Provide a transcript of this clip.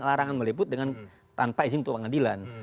larangan meliput dengan tanpa izin ketua pengadilan